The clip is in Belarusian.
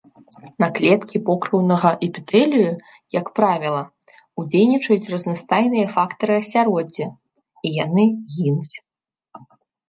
На клеткі покрыўнага эпітэлію, як правіла, уздзейнічаюць разнастайныя фактары асяроддзя, і яны гінуць.